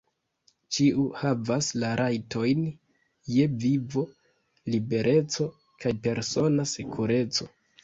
Ĉiu havas la rajtojn je vivo, libereco kaj persona sekureco.